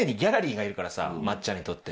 松っちゃんにとって。